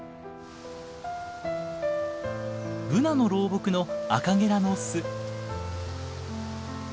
ブナの老木のアカゲラの巣。